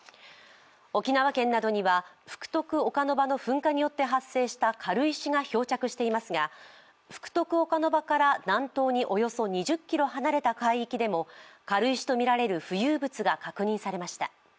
沖縄県などには、福徳岡ノ場の噴火によって発生した軽石が漂着していますが福徳岡ノ場から南東におよそ２０ｋｍ離れた海域でも軽石とみられる浮遊物が確認されました。